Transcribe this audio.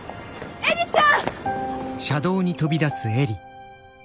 映里ちゃん。